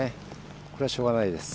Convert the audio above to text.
これはしょうがないです。